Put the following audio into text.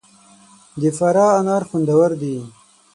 د فراه انار خوندور دي